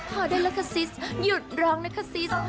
พอเดี๋ยวนะคะซิสหยุดร้องนะคะซิส